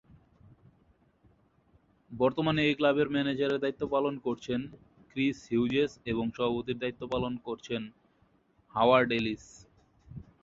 বর্তমানে এই ক্লাবের ম্যানেজারের দায়িত্ব পালন করছেন ক্রিস হিউজেস এবং সভাপতির দায়িত্ব পালন করছেন হাওয়ার্ড এলিস।